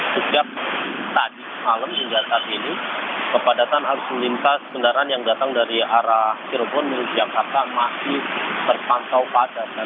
sejak tadi malam hingga saat ini kepadatan arus lintas kendaraan yang datang dari arah cirebon menuju jakarta masih terpantau padat